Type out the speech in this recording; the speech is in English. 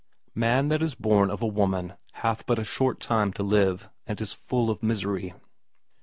Man that is bom of a woman hath but a short time to live, and is full of misery.